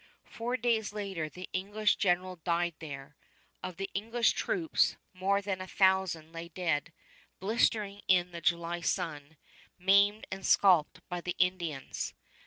Four days later the English general died there. Of the English troops, more than a thousand lay dead, blistering in the July sun, maimed and scalped by the Indians.